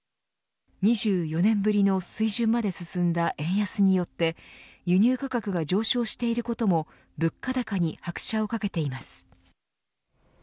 ２４年ぶりの水準まで進んだ円安によって輸入価格が上昇していることも物価高に拍車をかけています。